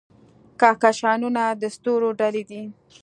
کهکشانونه د ستورو ډلې دي.